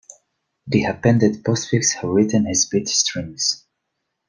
The appended postfixes are written as bit strings.